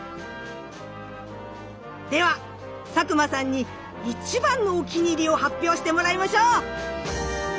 では佐久間さんに一番のお気に入りを発表してもらいましょう！